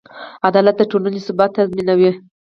عدالت د ټولنې ثبات تضمینوي.